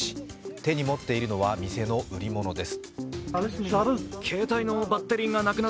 手に持っているのは店の売り物です。